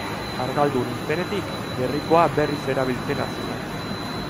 Argaldu nintzenetik gerrikoa berriz erabiltzen hasi naiz.